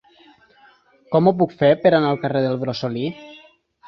Com ho puc fer per anar al carrer del Brosolí?